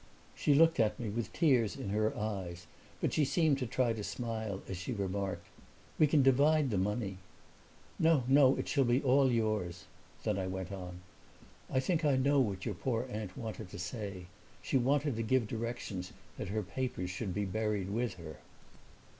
She looked at me with tears in her eyes, but she seemed to try to smile as she remarked, "We can divide the money." "No, no, it shall be all yours." Then I went on, "I think I know what your poor aunt wanted to say. She wanted to give directions that her papers should be buried with her."